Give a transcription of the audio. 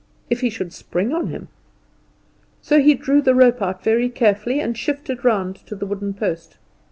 If he should spring on him! So he drew the rope out very carefully, and shifted round to the wooden post.